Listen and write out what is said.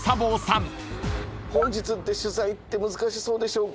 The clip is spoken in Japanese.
本日って取材って難しそうでしょうか。